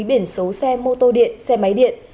biển số xe mô tô điện xe máy điện